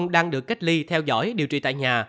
đang được cách ly theo dõi điều trị tại nhà